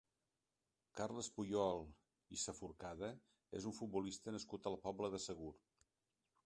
Carles Puyol i Saforcada és un futbolista nascut a la Pobla de Segur.